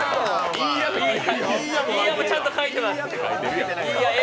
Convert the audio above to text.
「いーや」もちゃんと書いてます。